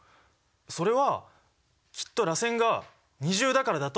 それはきっとらせんが二重だからだと思います。